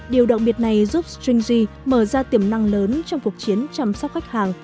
điều đặc biệt này giúp stringy mở ra tiềm năng lớn trong cuộc chiến chăm sóc khách hàng